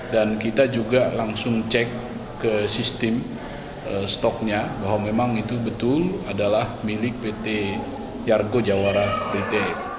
dan kita juga langsung cek ke sistem stoknya bahwa memang itu betul adalah milik pt jargo jawara pt